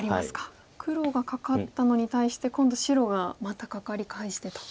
黒がカカったのに対して今度白がまたカカリ返してと。